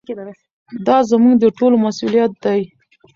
دا زموږ د ټولو مسؤلیت دی.